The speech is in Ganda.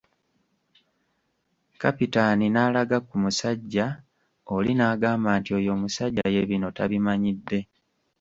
Kapitaani n'alaga ku musajja oli n'agamba nti oyo omusajja ye bino tabimanyidde.